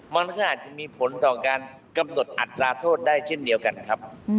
มันก็อาจจะมีผลต่อการกำหนดอัตราโทษได้เช่นเดียวกันครับ